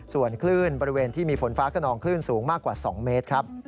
ส่วนคลื่นบริเวณที่มีฝนฟ้าขนองคลื่นสูงมากกว่า๒เมตรครับ